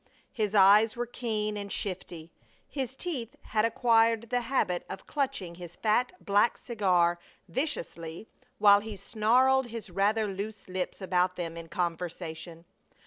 His eyes were keen and shifty; his teeth had acquired the habit of clutching his fat black cigar viciously while he snarled his rather loose lips about them in conversation.